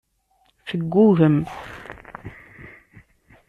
Teggugem.